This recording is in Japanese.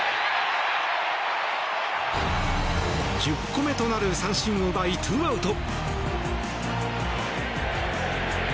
１０個目となる三振を奪いツーアウト。